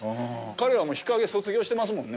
彼は、もう日陰卒業してますもんね。